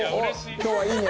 今日はいいね。